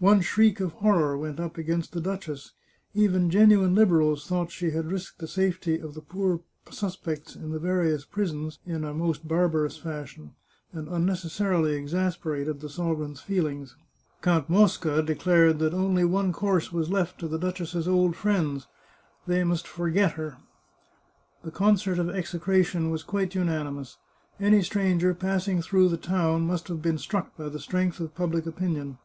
One shriek of horror went up against the duchess ; even genuine Liberals thought she had risked the safety of the poor suspects in the various prisons in a most barbarous fashion, and unnecessarily exasperated the sovereign's feelings. Count Mosca declared that only one course was left to the duchess's old friends — they must for get her. The concert of execration was quite unanimous. Any stranger passing through the town must have been struck by the strength of public opinion.